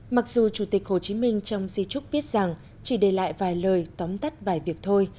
mặc dù chủ tịch hồ chí minh trong di trúc biết rằng chỉ để lại vài lời tóm tắt vài việc thôi